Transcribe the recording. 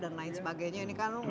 dan lain sebagainya ini kan